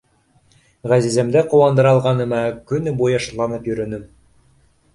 Ғәзиземде ҡыуандыра алғаныма көнө буйы шатланып йөрөнөм.